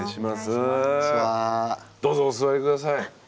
どうぞお座り下さい。